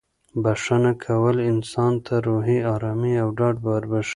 بښنه کول انسان ته روحي ارامي او ډاډ وربښي.